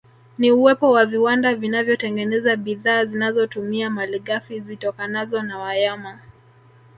Ni uwepo wa viwanda vinavyotengeneza bidhaa zinazotumia malighafi zitokanazo na wayama